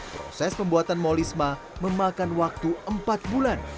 proses pembuatan molisma memakan waktu empat bulan